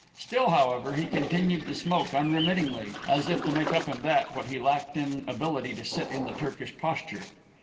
Still, however, he continued to smoke unremittingly (as if to make up in that what he lacked in ability to sit in the Turkish posture).